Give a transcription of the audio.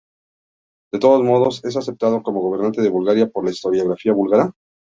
De todos modos es aceptado como gobernante de Bulgaria por la historiografía búlgara.